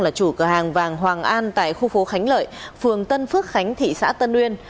là chủ cửa hàng vàng hoàng an tại khu phố khánh lợi phường tân phước khánh thị xã tân uyên